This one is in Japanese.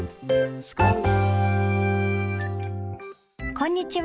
こんにちは。